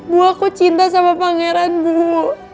bu aku cinta sama pangeran bu